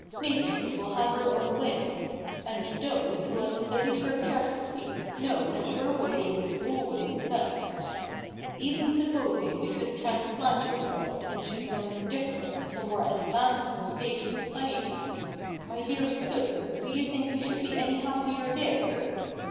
Nature will have her own way ; and those who have studied her carefully know that her way is always the best. Even supposing we could transplant ourselves into some different, some more advanced state of society, my dear sir, do you think we should be any happier there